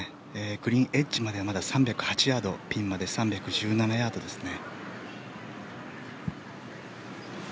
グリーンエッジまでは３０８ヤードピンまで３１７ヤードですね。